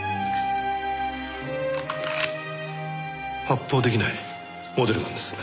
発砲出来ないモデルガンです。